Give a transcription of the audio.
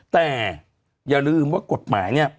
แต่อย่าลืมว่ากฎหมายเนี่ย